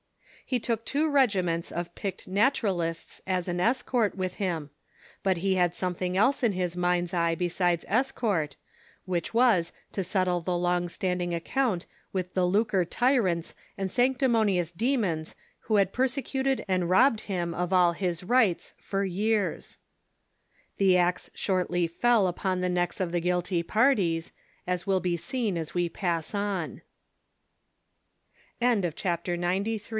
He took two regiments of picked Naturalists as an es cort with him ; but he had something else in his mind's eye besides escort, which was to settle tlie long standing account with the lucre tyrants and sanctimonious demons who had persecuted and robbed him of all his rights for years. The axe shortly fell upon the necks of the guilty parties, as will be seen as we pass on.